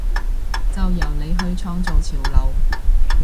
就由你去創造潮流！